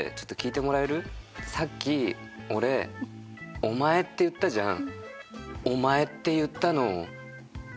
さっき俺「お前」って言ったじゃん。